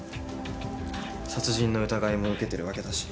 殺人の疑いも受けてるわけだし。